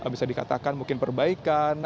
bisa dikatakan mungkin perbaikan